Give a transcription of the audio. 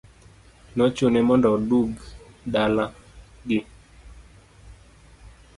Nochune mondo odug dala gi.